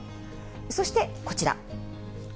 そしてこちら。